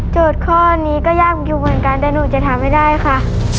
ข้อนี้ก็ยากอยู่เหมือนกันแต่หนูจะทำให้ได้ค่ะ